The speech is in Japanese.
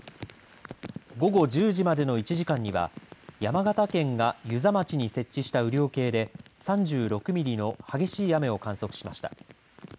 午後１０時までの１時間には山形県が遊佐町に設置した雨量計で３６ミリの激しい雨を観測しました。